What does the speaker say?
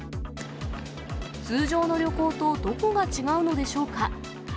通常の旅行とどこが違うのでしょうか。